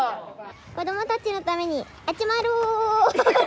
子どもたちのために集まろう！